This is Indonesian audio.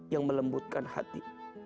yang melembutkan hati